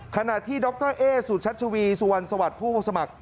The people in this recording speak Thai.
ขณะที่ดรเอ๊สุชัชวีสุวรรณสวัสดิ์ผู้สมัคร